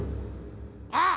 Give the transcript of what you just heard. あっ！